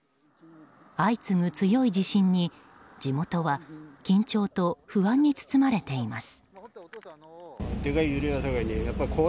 相次ぐ強い地震に地元は緊張と不安に包まれています。